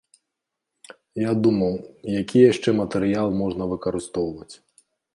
Я думаў, які яшчэ матэрыял можна выкарыстоўваць.